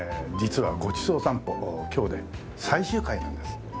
実は『ごちそう散歩』今日で最終回なんです。